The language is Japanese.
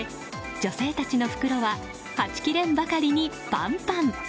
女性たちの袋ははちきれんばかりにパンパン。